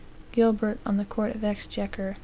Gilbert on the Court of Rxchequer, ch.